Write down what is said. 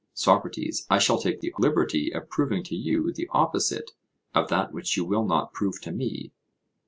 SOCRATES: I shall take the liberty of proving to you the opposite of that which you will not prove to me.